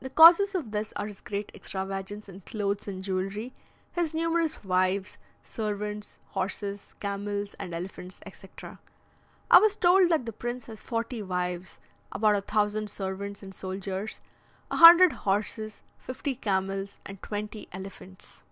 The causes of this are his great extravagance in clothes and jewellery, his numerous wives, servants, horses, camels, and elephants, etc. I was told that the prince has forty wives, about a thousand servants and soldiers, a hundred horses, fifty camels, and twenty elephants.